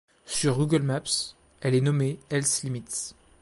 Sur google maps, elle est nommée Els Límits.